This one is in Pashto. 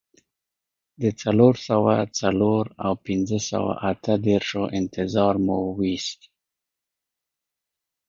د څلور سوه څلور او پنځه سوه اته دیرشو انتظار مو وېست.